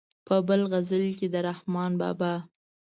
په بل غزل کې د رحمان بابا.